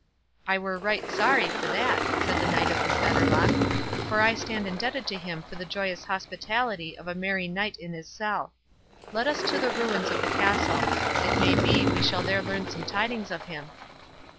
"I were right sorry for that," said the Knight of the Fetterlock, "for I stand indebted to him for the joyous hospitality of a merry night in his cell. Let us to the ruins of the castle; it may be we shall there learn some tidings of him."